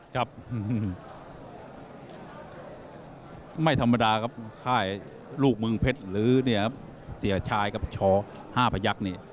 ครับไม่ธรรมดาครับค่ายลูกเมืองเพชรหรือเนี่ยเสียชายกับช๕พยักษ์นี่